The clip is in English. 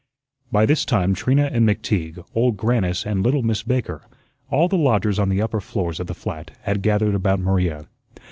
By this time Trina and McTeague, Old Grannis, and little Miss Baker all the lodgers on the upper floors of the flat had gathered about Maria.